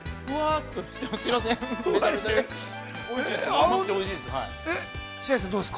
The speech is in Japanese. ◆甘くておいしいです。